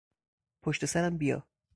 پشت سرم بیا.